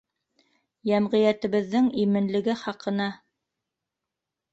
Йәмғиәтебеҙҙең именлеге хаҡына...